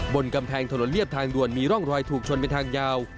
บนกำแพงถนนเรียบทางด่วนมีร่องรอยถูกชนเป็นทางยาว